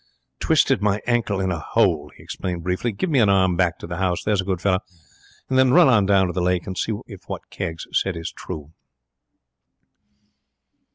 'Twisted my ankle in a hole,' he explained, briefly. 'Give me an arm back to the house, there's a good fellow, and then run on down to the lake and see if what Keggs said is true.'